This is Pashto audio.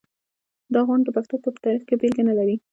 دا غونډ د پښتو په تاریخ کې بېلګه نلري.